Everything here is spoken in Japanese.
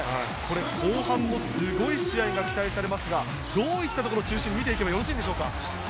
後半もすごい試合が期待されますが、どういった所を中心に見ていけばいいですか？